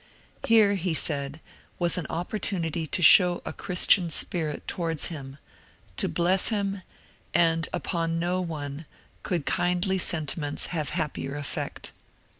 Here, he said, was an opportunity to show a Christian spirit towards him, to bless him, and upon no one could kindly sentiments have happier effect.